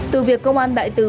từ việc công an đại từ